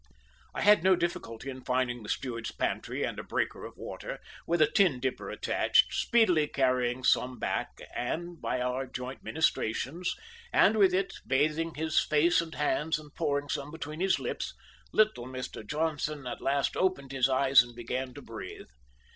I had no difficulty in finding the steward's pantry and a breaker of water, with a tin dipper attached, speedily carrying some back and, by our joint ministrations, and with it bathing his face and hands and pouring some between his lips, little Mr Johnson at last opened his eyes and began to breathe.